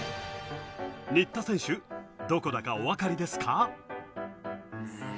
新田選手、どこだかお分かりですか？